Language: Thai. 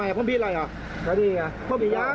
เฮ้ยเพียร้านอะไรพวกเรา